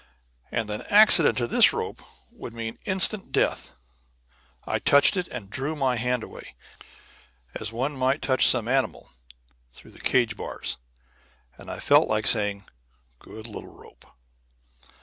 And an accident to this rope would mean instant death. I touched it, and drew my hand away, as one might touch some animal through the cage bars, and I felt like saying, "Good little rope!"